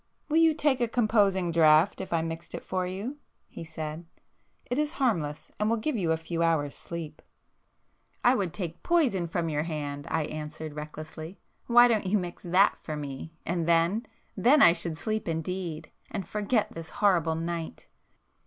"Will you take a composing draught if I mix it for you?" he said—"It is harmless, and will give you a few hours' sleep." "I would take poison from your hand!" I answered recklessly—"Why don't you mix that for me?—and then, ... then I should sleep indeed,—and forget this horrible night!"